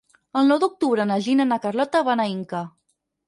El nou d'octubre na Gina i na Carlota van a Inca.